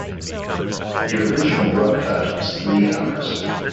The original rough cut was three hours.